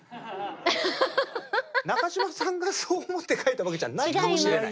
中島さんがそう思って書いたわけじゃないかもしれない。